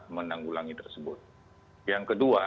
menanggulangi tersebut yang kedua